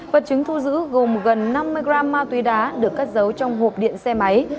vật chứng thu giữ gồm gần năm mươi gram ma túy đá được cất giấu trong hộp điện xe máy